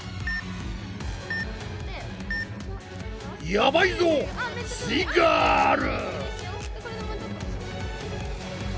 やばいぞすイガール！